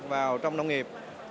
vào trong các doanh nghiệp